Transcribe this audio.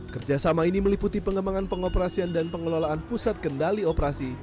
kerjasama ini meliputi pengembangan pengoperasian dan pengelolaan pusat kendali operasi